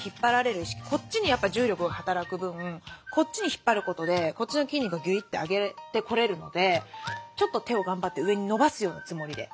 こっちに重力が働く分こっちに引っ張ることでこっちの筋肉がグイッと上げてこれるのでちょっと手を頑張って上に伸ばすようなつもりで。